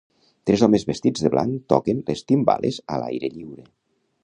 Tres homes vestits de blanc toquen les timbales a l'aire lliure.